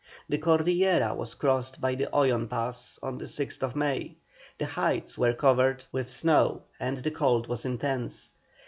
The Cordillera was crossed by the Oyon Pass on the 6th May. The heights were covered with snow and the cold was intense.